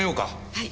はい。